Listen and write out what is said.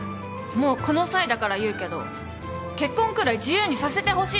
もうこの際だから言うけど結婚くらい自由にさせてほしいんだよね。